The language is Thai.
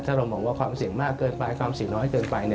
ถ้าเรามองว่าความเสี่ยงมากเกินไปความเสี่ยงน้อยเกินไป